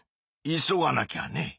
急がなきゃね！